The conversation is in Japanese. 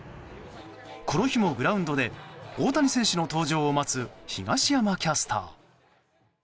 この日もグラウンドで大谷選手の登場を待つ東山キャスター。